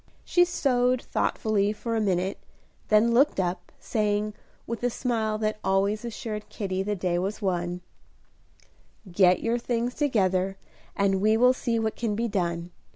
She sewed thoughtfully for a minute, then looked up, saying, with the smile that always assured Kitty the day was won, "Get your things together, and we will see what can be done.